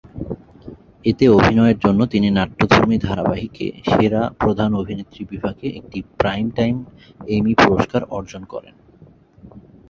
এতে অভিনয়ের জন্য তিনি নাট্যধর্মী ধারাবাহিকে সেরা প্রধান অভিনেত্রী বিভাগে একটি প্রাইমটাইম এমি পুরস্কার অর্জন করেন।